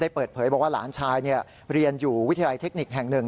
เปิดเผยบอกว่าหลานชายเรียนอยู่วิทยาลัยเทคนิคแห่งหนึ่ง